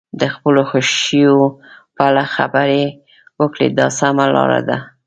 د خپلو خوښیو په اړه خبرې وکړئ دا سمه لاره ده.